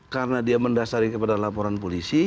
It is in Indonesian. karena dia mendasari kepada laporan polisi